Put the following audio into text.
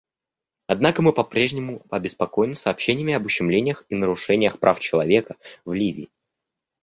Однако мы по-прежнему обеспокоены сообщениями об ущемлениях и нарушениях прав человека в Ливии.